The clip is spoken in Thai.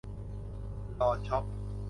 รอช็อป